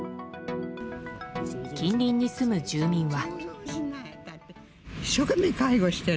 近隣に住む住民は。